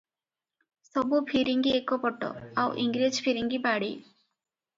ସବୁ ଫିରିଙ୍ଗୀ ଏକପଟ, ଆଉ ଇଂରେଜ ଫିରିଙ୍ଗୀ ବାଡ଼େ ।